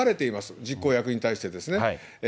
実行役に対してですね。